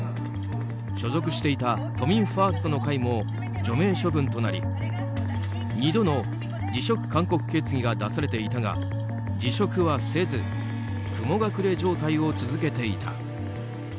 所属していた都民ファーストの会も除名処分となり２度の辞職勧告決議が出されていたが、辞職はせず雲隠れ状態を続けていた。